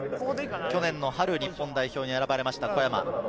去年の春、日本代表に選ばれました、小山。